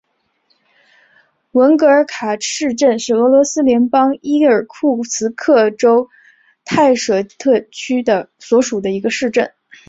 文格尔卡市镇是俄罗斯联邦伊尔库茨克州泰舍特区所属的一个市镇。